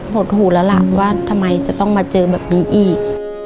หดหูแล้วล่ะว่าทำไมจะต้องมาเจอแบบนี้อีก